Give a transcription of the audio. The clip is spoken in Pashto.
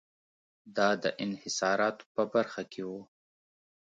دا د انحصاراتو په برخه کې و.